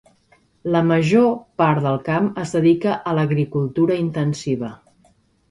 La major part del camp es dedica a l'agricultura intensiva.